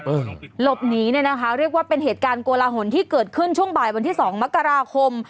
หลบหนีเนี่ยนะคะเรียกว่าเป็นเหตุการณ์โกลหนที่เกิดขึ้นช่วงบ่ายวันที่สองมกราคม